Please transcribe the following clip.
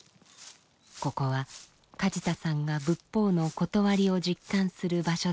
ここは梶田さんが仏法の理を実感する場所だと言います。